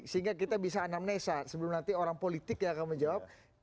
sehingga kita bisa anamnesa sebelum nanti orang politik yang akan menjawab